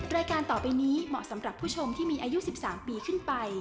รายการต่อไปนี้เหมาะสำหรับผู้ชมที่มีอายุ๑๓ปีขึ้นไป